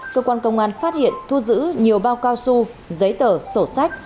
cơ quan công an phát hiện thu giữ nhiều bao cao su giấy tờ sổ sách